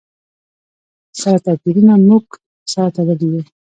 سره توپیرونو موږ سره تړلي یو.